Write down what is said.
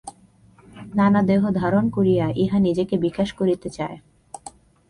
নানা দেহ ধারণ করিয়া ইহা নিজেকে বিকাশ করিতে চায়।